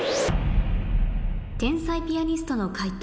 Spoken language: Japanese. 天才ピアニストの解答